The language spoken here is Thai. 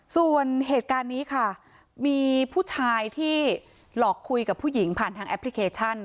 ส่วนเหตุการณ์นี้ค่ะมีผู้ชายที่หลอกคุยกับผู้หญิงผ่านทางแอปพลิเคชัน